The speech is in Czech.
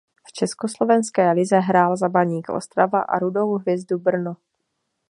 V československé lize hrál za Baník Ostrava a Rudou Hvězdu Brno.